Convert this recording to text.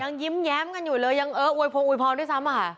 ยังยิ้มแย้มกันอยู่เลยยังเอ้ออุยพงอุยพร้อมด้วยซ้ำ